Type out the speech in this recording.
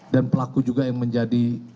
dan pelaku juga yang menjadi